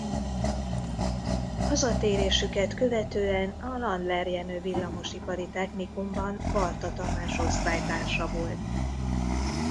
Hazatérésüket követően a Landler Jenő Villamosipari Technikumban Barta Tamás osztálytársa volt.